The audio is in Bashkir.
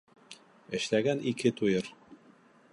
Эшләгән ике туйыр.